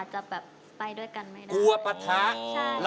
กับพอรู้ดวงชะตาของเขาแล้วนะครับ